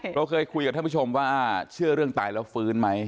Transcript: เราเคยคุยกับท่านผู้ชมว่าเชื่อเรื่องตายแล้วฟื้นไหม